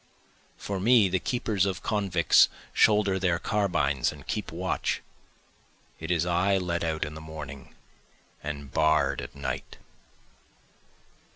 For me the keepers of convicts shoulder their carbines and keep watch, It is I let out in the morning and barr'd at night.